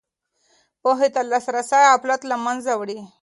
پوهې ته لاسرسی غفلت له منځه وړي.